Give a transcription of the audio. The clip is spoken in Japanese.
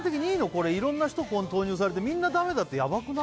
これ色んな人投入されてみんなダメだったらヤバくない？